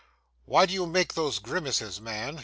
'Why do you make those grimaces, man?